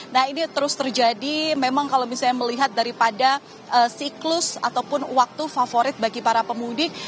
nah ini terus terjadi memang kalau misalnya melihat daripada siklus ataupun waktu favorit bagi para pemudik